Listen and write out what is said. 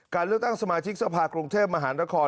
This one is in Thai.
การเลือกตั้งสมาชิกสภากรุงเทพมหานคร